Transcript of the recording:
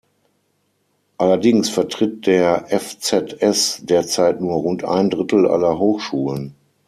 Allerdings vertritt der fzs derzeit nur rund ein Drittel aller Hochschulen.